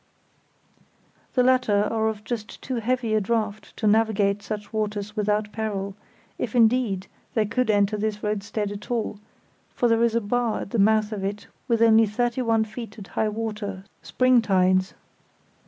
The latter are of just too heavy a draught to navigate such waters without peril, if, indeed, they could enter this roadstead at all, for there is a bar at the mouth of it with only thirty one feet at high water, spring tides.